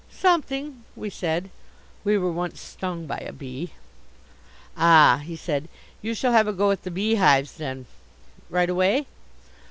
"Something," we said (we were once stung by a bee). "Ah," he said, "you shall have a go at the beehives, then, right away?"